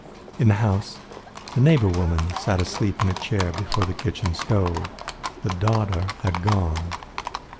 In the house the neighbour woman sat asleep in a chair before the kitchen stove. The daughter had gone.